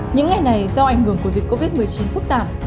những ngày này do ảnh hưởng của dịch covid một mươi chín phức tạp